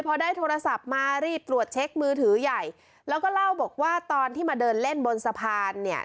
พอได้โทรศัพท์มารีบตรวจเช็คมือถือใหญ่แล้วก็เล่าบอกว่าตอนที่มาเดินเล่นบนสะพานเนี่ย